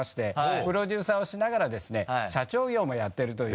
プロデューサーをしながらですね社長業もやっているという。